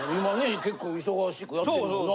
今ね結構忙しくやってるもんな。